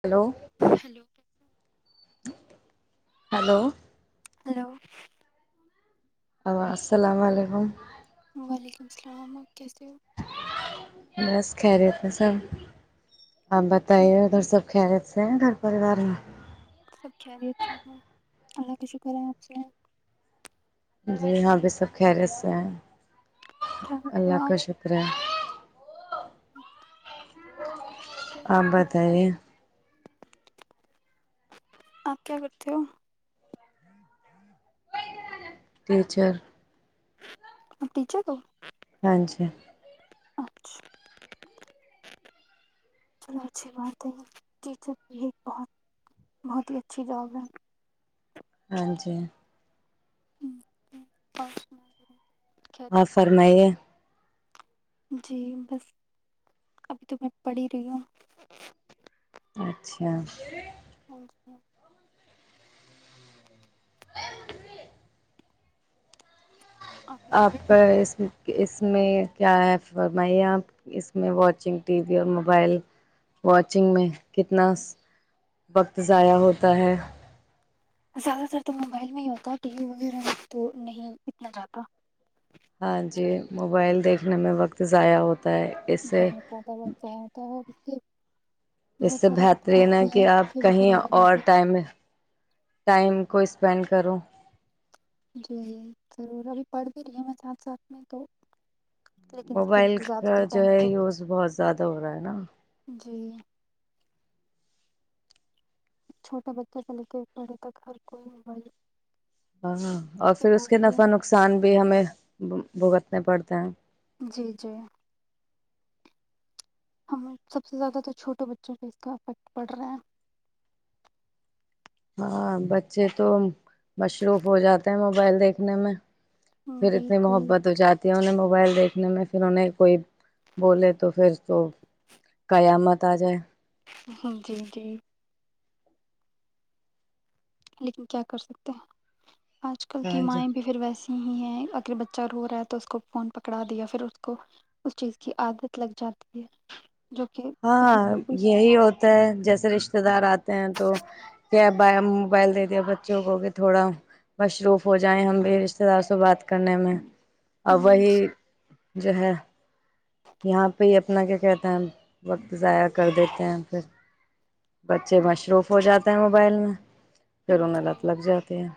hello hello hello hello السلام علیکم وعلیکم السلام آپ کی س بس خریت ہے سب آپ بتائیے ادھر سب کریتے ہیں گھر پریوار میں سب خیریت سےح اللہ کا شکر ہے آپ سے جی ہاں بھی سب خ رہے سے ہیں کیا کرتے اللہ ہو کا شکر ہے آ بتائی آپ کیا کرتے ہو ٹیچر اور ٹیچر تو ہاں جی [unintelligible] اچھا چلو اچھی بات ہے ٹیچر بھی ایک بہت بہت ہی اچھی جاب ہے ہاں جی ہشنا [unintelligible] اور فرمائیے جی بس ابھی تو میں پڑ ہی رہی ہوں اچھا اچھا [unintelligible] میرڈ آپ ہو اس میں کہ اس میں کیا ہے فرمائیے آپ اس میں واچنگ ٹی وی اور موبائل واچنگ میں کتنا وقت ضائع ہوتا ہے زیادہ تر تو موبائل میں ہی ہوتا ٹی وی وغیرہ میں تو نہیں اتنا جاتا ہاں جی موبائل دیکھنے میں وقت ضائع ہوتا ہے اس سے بہت زیادہ بچہ آتا [unintelligible] ایک [unintelligible] اس سے بہترین ہے کہ آپ بھی کہیں خراب ہو اور جاتی ٹائم ٹائم کو اس اسپینڈ کرو [unintelligible] جی ضرور ابھی پڑھ بھی رہی ہ میں ساتھ ساتھ میں تو لیکن پھر موبائل بھی زیادہ کا تر جو ٹائم ہے تو یوز بہت زیادہ ہو رہا ہے نا جی چھوٹا بچہ سے لے کے پڑھے تک ہر کوئی موبائل ہاں اور سب پھر اس کے پاس ہی ہے نفع نقصان بھی ہمیں بھگتنے پڑتے ہیں جی جی ہم سب سے زیادہ تو چھوٹوں بچوں سےہ اس کا افیکٹ پڑ رہا ہے ہاں بچے تو مصروف ہو جاتے ہیں موبائل دیکھنے میں ہم، پھر اتنی بالکل محبت ہو جاتی ہے انہیں م موبائل دیکھنے میں پھر انہیں کوئی بولے تو پھر تو قیامت آ جائے جی جی لیکن کیا کر سکتے ہیں آج کل کی ہاں جی مائیں بھی پھر ویسے نہیں ہے اگر بچہ رو رہا ہے تو اس کو فون پکڑا دیا پھر اس کو اس چیز کی عادت لگ جاتی ہے جو کہ صحیح ہاں بالکل نہیں ہے یہی ہوتا ہے جیسے رشتے دار آتے ہیں تو کیا موبائل دے دیا بچوں کو کہ تھوڑا مصروف ہو جائیں ہم بھی رشتے دار سے بات کرنے میں ا ہم، وہی ج ہے [unintelligible] یہاں پہ [unintelligible] اپتنا کیا کہتے ہیں ہم وقت ضائع کر دیتے ہیں پھر بچے مصروف ہو جاتے ت موبائل میں کریروون لات لگ جاتی ہیں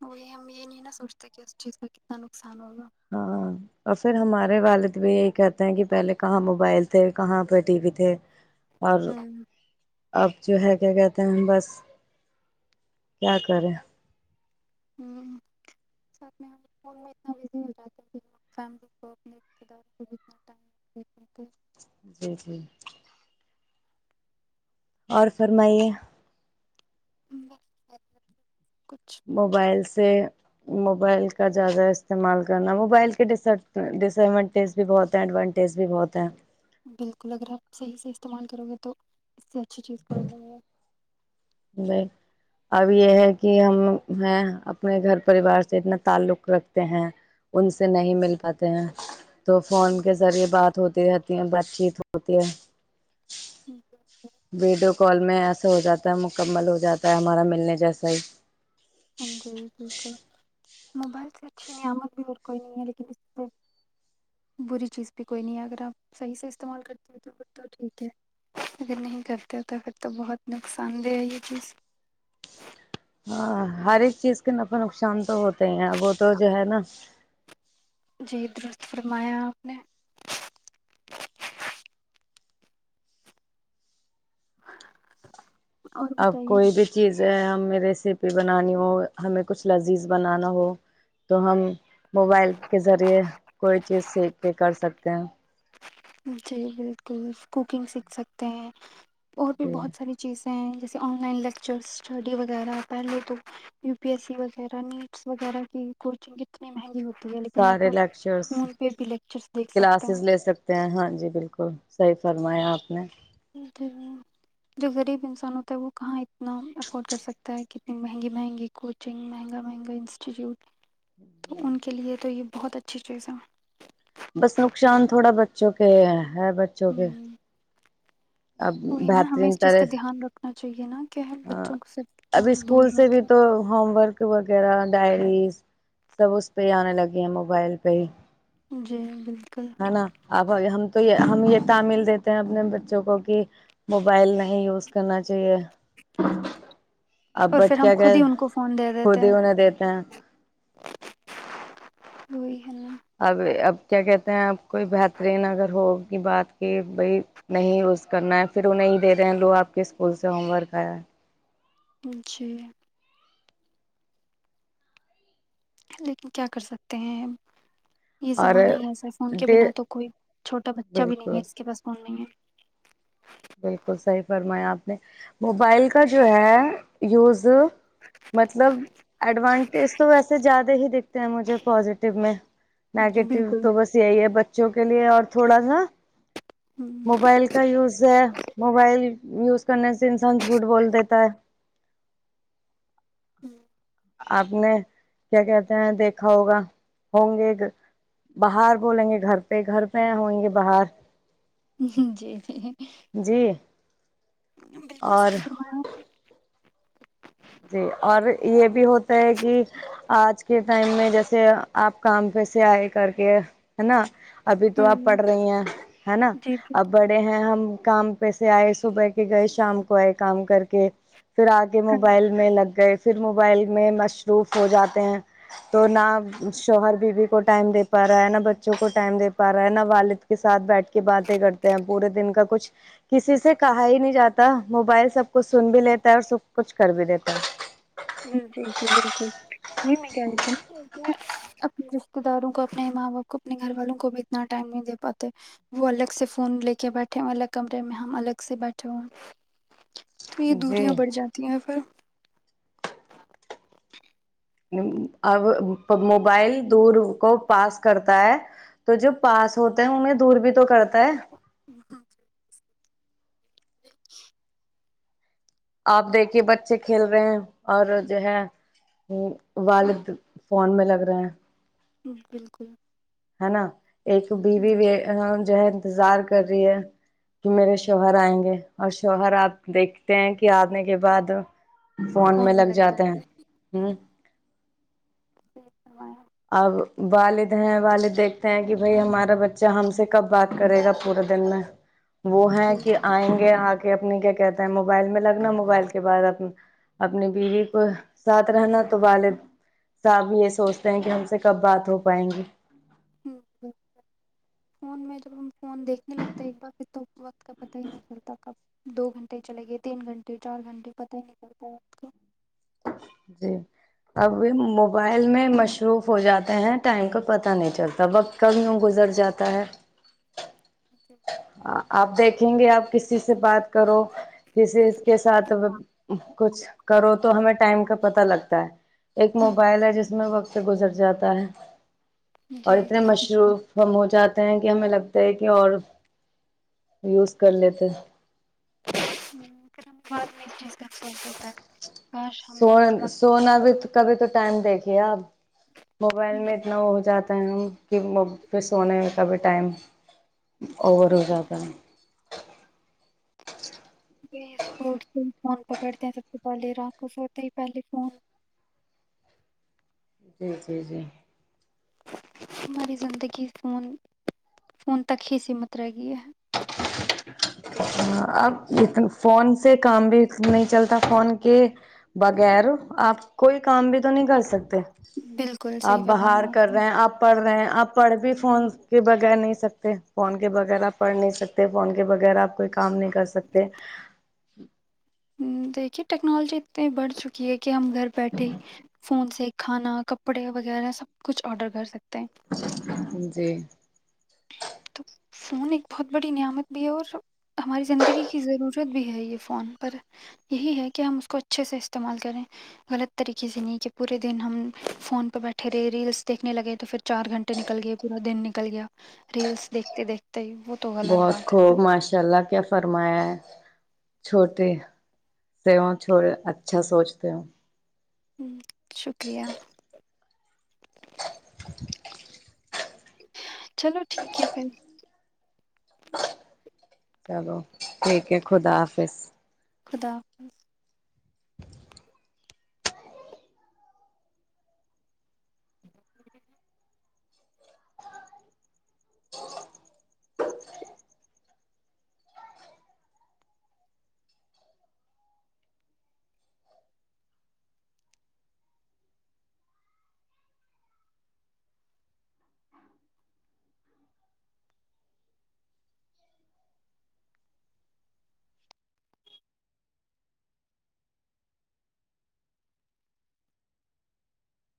وہ ہم یہ نہیں نا سوچتے کہ اس چیز کا کتنا نقصان ہوگا ہاں اور پھر ہمارے والد بھی یہی کہتے ہیں کہ پہلے کہاں موبائل تھے کہاں پہ ٹی وی تھے اور ہوں اب جو ہے کیا کہتے ہیں بس کیا کریں ہ ساتھ میں فون میں اتنا بزی ہو جاتا ہے فیم کو اپنے رشتے داروں کو بھی اتنا ٹائمتے جی جی اور فر میںائیے [inaudible] [inaudible] موبائلس سے موبائل کا زیادہ استعمال کرنا موبائل کے ڈس ایڈوانٹیج بھی بہت ہیں ایڈوانٹیز بھی بہت ہیں بالکل اگر آپ صحیح سے استعمال کرو گے تو اس سےچ اچھی چیز کوئی نہیں ہے بائی اب یہ ہے کہ ہم ہیں اپنے گھر پریوار سے اتنا تعلق رکھتے ہیں ان سے نہیں مل پاتے ہیں تو فون کے ذریعے بات ہوتی رہتی ہیں ب یت ہوتی ہے ہوں ویڈیو کال میں ایسا ہو جاتا ہے مکمل ہو جاتا ہے ہمارا ملنے جیسا ہی ہ جی بالکل موبائل سے اچھی نعمت بھی اور کوئی نہیں ہے لیکن اس سے بری چیز بھی کوئی نہیں ہے اگر آپ صحیح سے استعمال کرتے ہو تو پھر تو ٹھیک ہے اگر نہیں کرتے ہو تو پھر تو بہت نقصان دہ ہے یہ چیز ہاں ہر ایک چیز کا ن نقصان تو ہوتا ہیں وہ تو جو ہے نا جی درست فرمایا آپ نے اور اب بتائیے کوئی بھی چیز جو ہمیں ریسیپی بنانی ہو ہمیں کچھ لذیذ بنانا ہو تو ہم موبائل کے ذریعے کوئی چیز سیکھ کے کر سکتے ہیں جی بالکل کوکنگ سیکھ سکتے ہیں اور بھی جی بہت ساری چیز جیسے آن لائن لیکچر اسٹڈی وغیرہ پہلے تو یو پی ایس سی وغیرہ نیٹس وغیرہ کی کوچنگ اتنے مہنگی ہوتی ہے لیکن اب سارے آپ لیکچرس فون پہ بھی لیکچرس دیکھ سکتے ہیں کلاسز لے سکتے ہیں ہاں جی بالکل صحیح فرمایا آپ نے جو غریب انسان ہوتا ہے وہ کہاں اتنا افورڈ کر سکتا ہے کہ اتنی مہنگی مہنگی کوچنگ مہنگا مہنگا انسٹیٹیوٹ تو ان کے لیے تو یہ بہت اچھی چیز ہے بس نقصان تھوڑا بچوں کے ہے ہے بچوں کے ہوں اب بہترین طرح سے اچ چاہیے نا کہ ہم ہاں بچوں کو صرف ابھی فون دور اسکول سے بھی رکھیں تو ہوم ورک وغیرہ ڈائریز سب اس پہ ہی آنے لگے ہیں موبائل پہ ہی جی بالکل ہے نا اب ہم تو یہ ہم یہ تعمیل دیتے ہیں اپنے بچوں کو کہ موبائل نہیں یوز کرنا اب اور پھر بٹ ہم کیا کہ خود ہی ان کو فون دے خود دیتے ہی ہیں انہیں دیتے ہیں وہی ہےنا اب اب کیا کہتے ہیں اپ کوئی بہترین اگر ہوگی بات کہ بائی نہیں روز کرنا ہے پھر وہ نہیں دے رہے ہیں لو آپ کے اسکول سے ہوم ورک آیا ہے جی لیکن کیا کر سکتے ہیں یہ زمانہ ہی ایسر اور فون کے بنا تو کوئی چھوٹا بچہ بھی نہیں بالکل ہے جس کے پاس فون نہیں ہے بالکل صحیح فرمایا آپ نے موبائل کا جو ہے یوز مطلب ایڈوانٹیج تو ویسے زیادہ ہی دکھتے ہیں مجھے پازیٹیو میں جی نیگیٹیو بالکل تو بس یہی ہے بچ بچوں کے لیے اور تھوڑا سا ہوں، موبائل کا یوز موبائل یوز کرنے سے انسان جھوٹ بول دیتا ہے ہوں آپ نے کیا کہتے ہیں دیکھا ہوگا ہوں گے باہر بولیں گے گھر پہ گھر پہ ہیں گے باہر جی جی جی بالکل اور صحیحا جی اور یہ بھی ہوتا ہے کہ آج کے ٹائم میں جیسے آپ کام پہ سےے آئے کر کے ہے نا ابھی تو آپ ہوں پڑھ رہی ہیں ہے نا جی جی اب بڑے ہیں ہم کام پس آئے صبح کے گئے شام کو آئے کام کر کے پھر آگ ہاں موبائل میں لگ گئے پھر موبائل میں مصروف ہو جاتے ہیں تو نہ شوہر بیوی کو ٹائم دے پا رہا ہے نہ بچوں کو ٹائم دے پا رہا ہے نہ والد کے ساتھ بیٹھ کی باتیں کرتے ہیں پورے دن کا کچھ کسی سے کہا ہی نہیں جاتا موبائل سب کچھ سن بھی لیتا ہے اور سب کچھ کر بھی دیتا ہے جی جی بالکل وہی میں کہ رہی تھی نا اپنے رشتے داروں کو اپنے ماں باپ کو اپنے گھر والوں کو بھی اتنا ٹائم نہیں دے پاتے وہ الگ سے فون لے کے بیٹھے ہو الگ کمرے میں ہم الگ سے بیٹھے ہوئے ہیں تو یہ جی دوریاں بڑھ جاتی ہیں پھر اب موبائل دور کو پاس کرتا ہے تو جو پاس ہوتے ہیں انہیں دور بھی تو کرتا ہے ہ ہ آپ دیکھیے بچے کھیل رہے ہیں اور جو ہے والد فون میں لگ رہے ہیں بالکل ہے نا ایک بیوی جو ہے انتظار کر رہی ہے کہ میرے شوہر آئیں گے اور شوہر آپ دیکھتے ہیں کہ آنے کے بعد فون میں لگ جاتے ہیں ہ صحی فوا اب والد ہیں والد دیکھتے ہیں کہ بھائی ہمارا بچہ ہم سے کب بات کرے گا پورے دن میں وہ ہے جی کہ آئیں گے آگ کہ اپنے کیا کہتا ہے موبائل میں لگنا موبائل کے بعد اپنی بیوی کو ساتھ رہنا تو والد صاحب یہ سوچ کہ ہم سے کب بات ہو پائیں گے ہ فون میں جب ہم فون دیکھنے لگتے ایک بار پھر تو وقت کا پتہ ہی نہیں چلتا کب دو گھنٹے چلے گئے تین گھنٹے چار گھنٹے پتہ ہی نہیں چلتا وقت کا جی اب موبائل میں مصروف ہو جاتے ہیں ٹائم کا پتہ نہیں چلتا وقت ک یوں گزر جاتا ہے آپ دیکھیں گے آپ کسی سے بات کرو کسی کے ساتھ کچھ کرو تو ٹائم کا پتا لگتا ہے ایک ہوں، موبائل ہے جس میں سے گزر جاتا ہے اور جی اتنے صحیح مشروف ہم ہو جاتے کہ ہمیں لگتا ہے کہ اور یوز کر لیتے بات میں ا فتا سو سونا بھی کبھی تو ٹائم دیکھ کیایا موبائل وقت میں اتنا وہ ہو جاتا کہ وہ پھر سونے کا بھی ٹائم اوور ہو جاتا ہے وہ صبح اٹھتے فون پکڑتے ہیں سب سے پہلے راکش ہوتے ہی پہلے فون جی جی جی ہماری زندگی فون فون تک ہی سمت رہ گئی ہے اب ا فون سے کام بھی نہیں چلتا فون کے بغیر آپ کوئی کام بھی تو نہیں کر سکتے بالکل آپ صحیح باہر فرمایا کر آپ نے رہے ہیں آپ پڑھ رہے ہیں آپ پڑھ بھی فون کے بغیر نہیں سکتے فون کے بغیرہ آپ پڑھ نہیںک سکتے فون کے بغیر آپ کوئی کام نہیں کر سکتے دیکھیے ٹیکنالوجی اتنی بڑھ چکی ہے کہ ہم گھر بیٹھے فون سے کھانا کپڑے وغیرہ سب کچھ آرڈر کر سکتے ہیں جی تو فون ایک بہت بڑی نعمت بھی ہے اور ہماری زندگی کی ضرورت بھی ہے یہ فون پر یہی ہے کہ ہم اس کو اچھے سے استعمال کریں غلط طریقے سے نہیں کہ پورے دن ہم فون بیٹھے رہے ریلس سے نے لگے تو پھر چار گھنٹے نکل گئے پورا دن ککل گیا ریلس دیکھتے دیکھتے ہی وہ تو غلط بہت بات ہے خوب ماشاء اللہ کیا فرمایا ہے چھوٹے سے ہ چھو اچھا سوچتے ہو ہ شکریہ [inaudible] چلو ٹھیک ہے پھر چلو ٹھیک ہے خدا حافظ خدا حافظ